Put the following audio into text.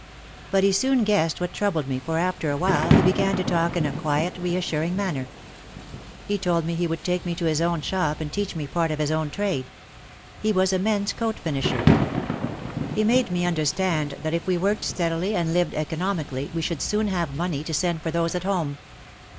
But he soon guessed what troubled me for after a while he be gan to talk in a quiet, reassuring manner. He told me he would take me to his own shop and teach me part of his own trade. He was a men's coat finisher. He made me understand that if we worked steadily and lived economically we should soon have money to send for those at home.